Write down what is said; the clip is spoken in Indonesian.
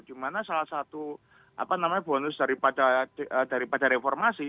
dimana salah satu bonus daripada reformasi